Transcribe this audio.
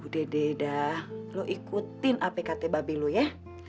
udah deh ida lo ikutin apk babi lo ya